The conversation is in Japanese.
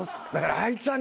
あいつはね